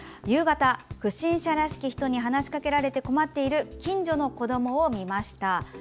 夕方、不審者らしき人に話しかけられて困っている近所の子どもを見ました。